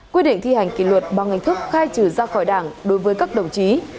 quy định thi hành kỷ luật bằng hình thức khai trừ ra khỏi đảng đối với các đồng chí